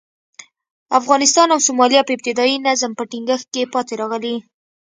افغانستان او سومالیا په ابتدايي نظم په ټینګښت کې پاتې راغلي.